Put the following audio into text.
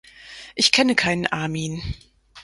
Ich kenne keinen Armin.